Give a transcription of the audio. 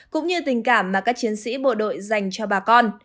cũng như tình cảm mà các chiến sĩ bộ đội dành cho bà con